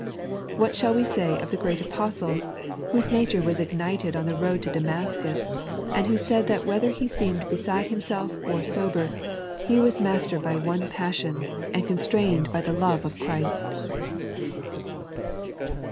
What shall we say of the Great Apostle, whose nature was ignited on the road to Damascus, and who said that whether he seemed beside himself or sober, he woe maetered by one passion, and constrained by the love of Christ.